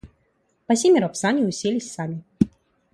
По семеро в сани уселись сами.